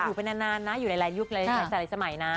อยู่ไปนานนะอยู่หลายยุคหลายสมัยนะ